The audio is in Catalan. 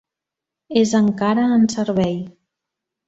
És encara en servei.